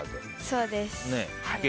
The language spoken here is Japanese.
そうです。